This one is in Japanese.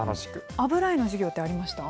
油絵の授業ってありました？